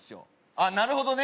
あっなるほどね